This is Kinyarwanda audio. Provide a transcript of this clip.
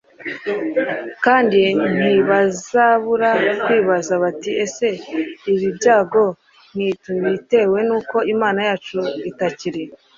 I kandi ntibazabura kwibaza bati ese ibi byago ntitubitewe n uko imana yacu itakiri